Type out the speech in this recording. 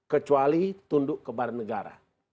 kecuali tunduk kebaran negara